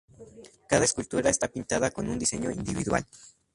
Cada escultura está pintada con un diseño individual.